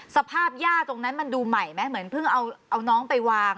ย่าตรงนั้นมันดูใหม่ไหมเหมือนเพิ่งเอาน้องไปวาง